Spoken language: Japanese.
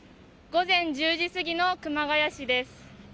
午前１０時過ぎの熊谷市です。